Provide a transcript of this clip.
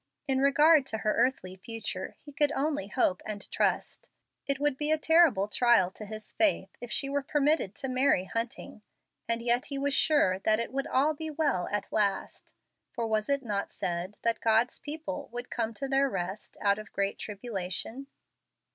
In regard to her earthly future he could only hope and trust. It would be a terrible trial to his faith if she were permitted to marry Hunting, and yet he was sure it would all be well at last; for was it not said that God's people would come to their rest out of "great tribulation"?